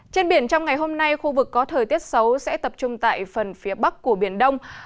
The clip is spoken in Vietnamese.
trên biển trong ngày hôm nay khu vực có thời tiết xấu sẽ tập trung tại phần phía bắc của biển đông